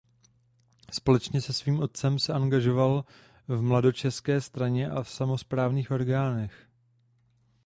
Společně se svým otcem se angažoval v Mladočeské straně a v samosprávných orgánech.